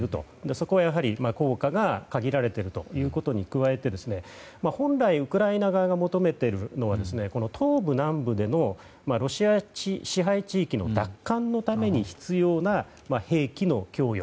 そこはやはり効果が限られているということに加えて本来ウクライナ側が求めているのは東部、南部でのロシア支配地域の奪還のために必要な兵器の供与。